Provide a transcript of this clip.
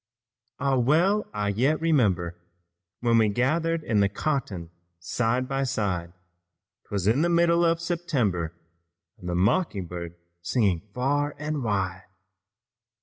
"Ah, well I yet remember When we gathered in the cotton side by side; 'Twas in the mild September And the mocking bird was singing far and wide.